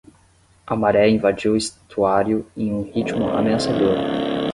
A maré invadiu o estuário em um ritmo ameaçador.